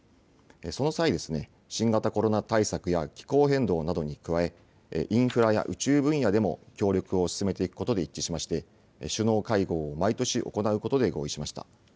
その際、新型コロナ対策や気候変動などに加え、インフラや宇宙分野でも協力を進めていくことで一致しまして、首脳会合を毎年行うことで合意しました。